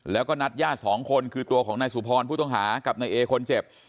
แล้วก็นัดญาติสองคนคือตัวของนายสุพรผู้ต้องหากับนายเอคนเจ็บ